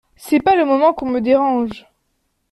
C’est pas le moment qu’on me dérange.